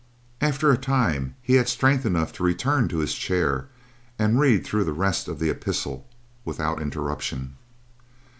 After a time he had strength enough to return to his chair and read through the rest of the epistle without interruption.